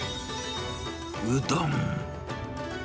うどん。